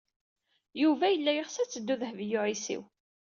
Yuba yella yeɣs ad teddu Dehbiya u Ɛisiw.